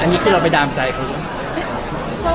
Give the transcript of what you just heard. อันนี้คือเราไปดามใจเขาไหม